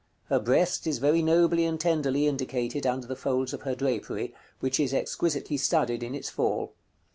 Her breast is very nobly and tenderly indicated under the folds of her drapery, which is exquisitely studied in its fall.